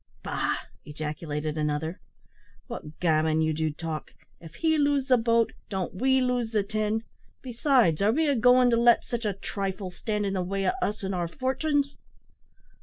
"Bah!" ejaculated another, "wot gammon you do talk. If he lose the boat, don't we lose the tin? Besides, are we agoin' to let sich a trifle stand in the way o' us an' our fortins?"